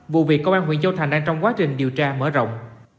vụ việc công an huyện châu thành đang trong quá trình điều tra mở rộng